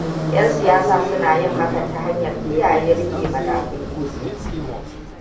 'Yan siyasa suna yin hakan ta hanyar kiyaye riƙe madafun iko.